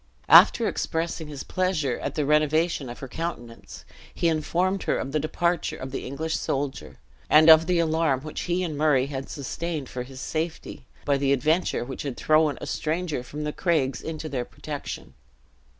After expressing his pleasure at the renovation in her countenance, he informed her of the departure of the English soldier, and of the alarm which he and Murray had sustained for his safety, by the adventure which had thrown a stranger from the craigs into their protection.